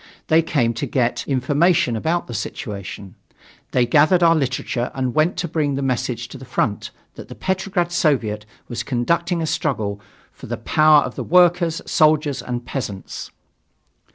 They came to get information about the situation. They gathered our literature and went to bring the message to the front that the Petrograd Soviet was conducting a struggle for the power of the workers, soldiers and peasants.